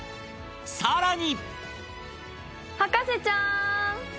さらに